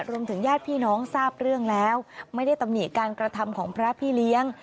ญาติพี่น้องทราบเรื่องแล้วไม่ได้ตำหนิการกระทำของพระพี่เลี้ยง